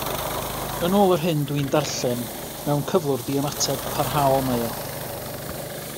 Yn ôl yr hyn dw i'n darllen, mewn cyflwr diymateb parhaol mae o.